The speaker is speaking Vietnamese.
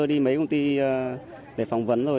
để phỏng vấn rồi